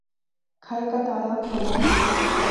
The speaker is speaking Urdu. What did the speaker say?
گھر کا تالا کھولا